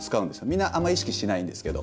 みんなあんまり意識しないんですけど。